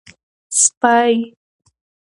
سپۍ